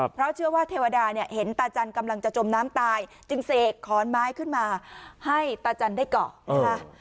เพราะเชื่อว่าเทวดาเนี่ยเห็นตาจันทร์กำลังจะจมน้ำตายจึงเสกขอนไม้ขึ้นมาให้ตาจันทร์ได้เกาะนะคะ